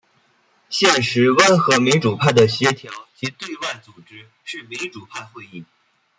现时温和民主派的协调及对外组织是民主派会议。